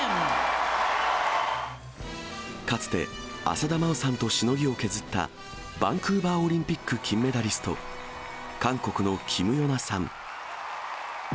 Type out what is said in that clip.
かつて浅田真央さんとしのぎを削った、バンクーバーオリンピック金メダリスト、韓国のキム・ヨナさん。